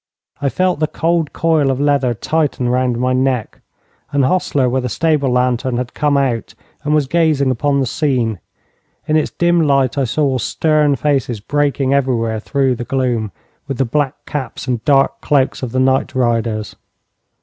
I felt the cold coil of leather tighten round my neck. An hostler with a stable lantern had come out and was gazing upon the scene. In its dim light I saw stern faces breaking everywhere through the gloom, with the black caps and dark cloaks of the night riders.